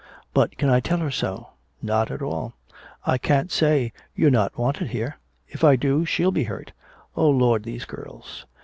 But can I tell her so? Not at all. I can't say, 'You're not wanted here.' If I do, she'll be hurt. Oh Lord, these girls!